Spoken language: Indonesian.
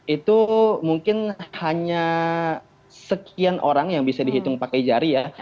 itu mungkin hanya sekian orang yang bisa dihitung pakai jari ya